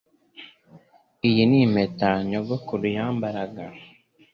Iyi ni impeta nyogokuru yambaraga